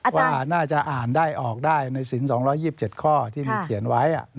ว่าน่าจะอ่านได้ออกได้ในสิน๒๒๗ข้อที่มีเขียนไว้